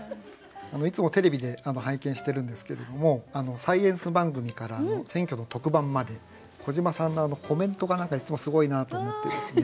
いつもテレビで拝見してるんですけれどもサイエンス番組から選挙の特番まで小島さんのコメントがいつもすごいなと思ってですね